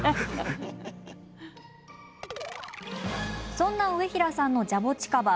そんな上平さんのジャボチカバ